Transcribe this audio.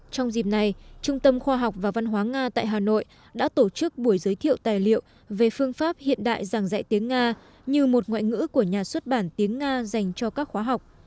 trong dịp này trung tâm khoa học và văn hóa nga tại hà nội đã tổ chức buổi giới thiệu tài liệu về phương pháp hiện đại giảng dạy tiếng nga như một ngoại ngữ của nhà xuất bản tiếng nga dành cho các khóa học